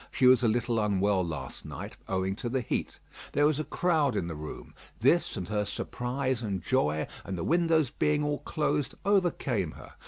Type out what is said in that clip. She was a little unwell last night, owing to the heat. There was a crowd in the room. This and her surprise and joy, and the windows being all closed, overcame her.